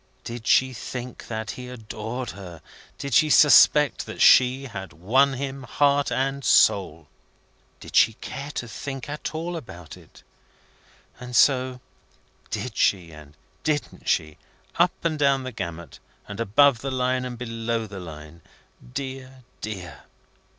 Did she think that he adored her! Did she suspect that she had won him, heart and soul! Did she care to think at all about it! And so, Did she and Didn't she, up and down the gamut, and above the line and below the line, dear, dear!